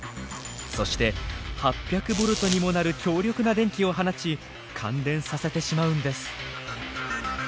そして８００ボルトにもなる強力な電気を放ち感電させてしまうんです。